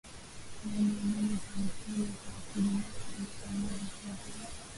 maeneo mengi kampuni za kibinafsi zinafanyiza vifaa vya